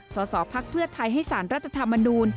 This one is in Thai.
สสพักเพื่อไทยให้สารรัฐธรรมนูล